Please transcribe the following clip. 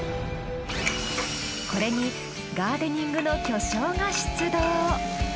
これにガーデニングの巨匠が出動。